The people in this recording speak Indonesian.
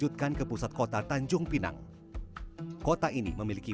adalah murid murid yang pem ros gideraldi